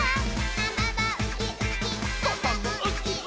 「ママはウキウキ」「パパもウキウキ」